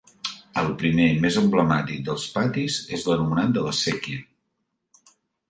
El primer -i més emblemàtic- dels patis és l'anomenat de la Séquia.